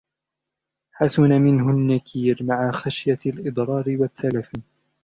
حَسُنَ مِنْهُ النَّكِيرُ مَعَ خَشْيَةِ الْإِضْرَارِ وَالتَّلَفِ